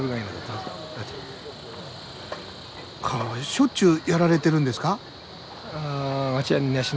しょっちゅうやられてるんですか？